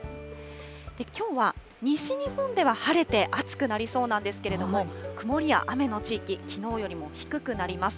きょうは西日本では晴れて暑くなりそうなんですけれども、曇りや雨の地域、きのうよりも低くなります。